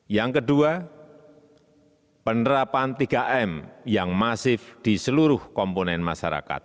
yang kedua penerapan tiga m yang masif di seluruh komponen masyarakat